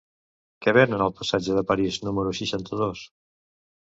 Què venen al passatge de París número seixanta-dos?